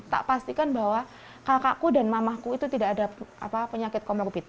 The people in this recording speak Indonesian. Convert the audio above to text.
tak pastikan bahwa kakakku dan mamahku itu tidak ada penyakit komorbid